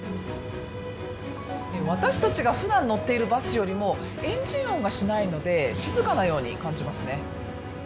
私たちがふだん乗っているバスよりもエンジン音がしないので、静かなように感じますね。